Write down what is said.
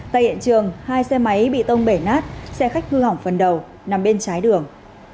tại hiện trường hai xe máy bị tông bể nát xe khách hư hỏng phần đầu nằm bên trái đường